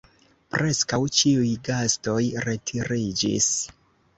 Preskaŭ ĉiuj gastoj retiriĝis.